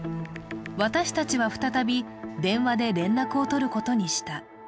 私たちは再び、電話で連絡を取ることにした。